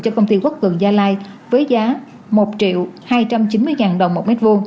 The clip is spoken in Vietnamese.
cho công ty quốc cường gia lai với giá một triệu hai trăm chín mươi đồng một m hai